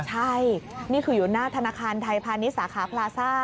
ใช่นี่คืออยู่หน้าธนาคารไทยพาณิชย์สาขาพลาซ่า